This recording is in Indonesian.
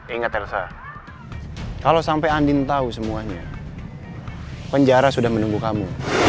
ingat elsa kalo sampe andi tau semuanya penjara sudah menunggu kamu